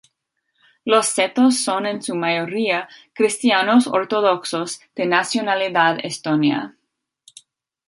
Los setos son en su mayoría cristianos ortodoxos de nacionalidad estonia.